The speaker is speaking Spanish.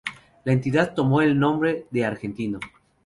La entidad tomó el nombre de Argentino.